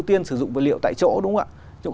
ưu tiên sử dụng vật liệu tại chỗ đúng không ạ